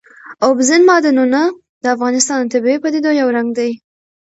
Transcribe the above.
اوبزین معدنونه د افغانستان د طبیعي پدیدو یو رنګ دی.